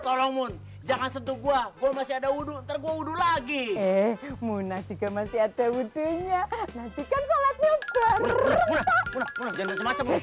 tolong jangan sentuh gua gua masih ada wudhu tergolong lagi eh muna juga masih ada wujudnya